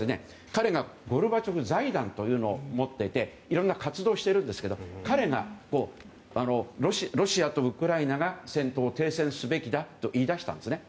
彼がゴルバチョフ財団というのを持っていていろんな活動をしてるんですけど彼がロシアとウクライナが戦闘を停戦すべきだと言い出したんですね。